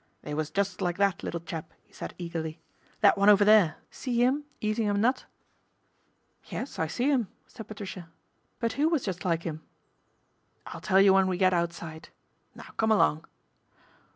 " They was just like that little chap/' he said eagerly. " That one over there, see 'im eating a nut ?"" Yes, I see him," said Patricia ;" but who was just like him ?"" I'll tell you when we get outside. Now come along."